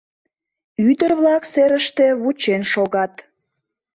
Ӱдыр-влак серыште вучен шогат.